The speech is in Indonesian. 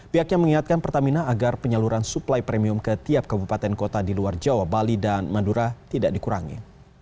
pihaknya mengingatkan pertamina agar penyaluran suplai premium ke tiap kabupaten kota di luar jawa bali dan madura tidak dikurangi